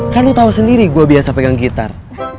kan lo tahu sendiri gue biasa pegang gitar